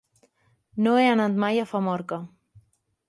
No he anat mai a Famorca.